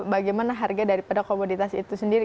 bagaimana harga daripada komoditas itu sendiri